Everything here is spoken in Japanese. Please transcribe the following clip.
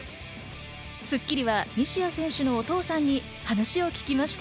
『スッキリ』は西矢選手のお父さんに話を聞きました。